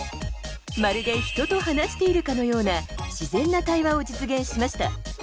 まるで人と話しているかのような自然な対話を実現しました。